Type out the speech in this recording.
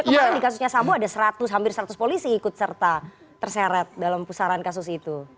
kemarin di kasusnya sambo ada seratus hampir seratus polisi ikut serta terseret dalam pusaran kasus itu